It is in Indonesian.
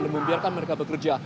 dan membiarkan mereka bekerja